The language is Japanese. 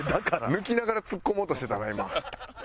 抜きながらツッコもうとしてたな今。